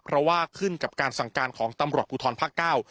เพราะว่าขึ้นกับการสั่งการของตำรวจภูทรภาคเก้า